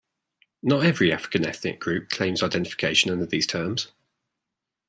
Not every African ethnic group claims identification under these terms.